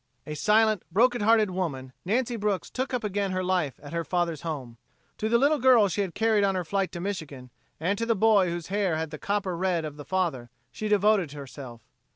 A silent, broken hearted woman, Nancy Brooks took up again her life at her father's home. To the little girl she had carried on her flight to Michigan and to the boy whose hair had the copper red of the father, she devoted herself.